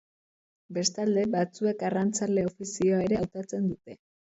Bestalde, batzuek arrantzale ofizioa ere hautatzen dute.